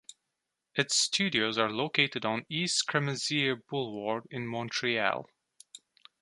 Its studios are located on East Cremazie Boulevard in Montreal.